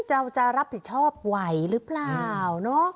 เราจะรับผิดชอบไหวหรือเปล่า